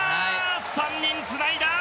３人つないだ！